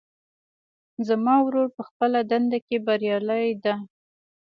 زما ورور په خپله دنده کې بریالی ده